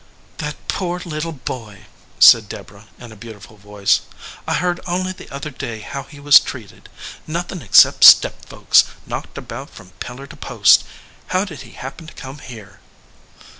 "That poor little boy !" said Deborah, in a beau tiful voice. "I heard only the other day how he was treated. Nothing except stepfolks, knocked about from pillar to post. How did he happen to come here?"